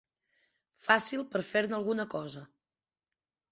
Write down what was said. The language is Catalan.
Fàcil per fer-ne alguna cosa.